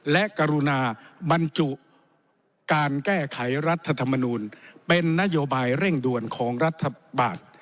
และกรุณาบรรจุการแก้ไขรัฐธรรมนูลเป็นนโยบายเร่งด่วนของรัฐบาล